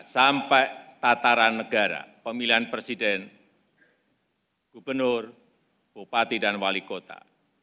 sampai tataran negara pemilihan presiden gubernur bupati dan wali kota